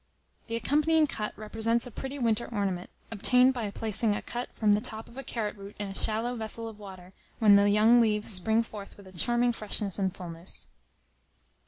The accompanying cut represents a pretty winter ornament, obtained by placing a cut from the top of the carrot root in a shallow vessel of water, when the young leaves spring forth with a charming freshness and fullness.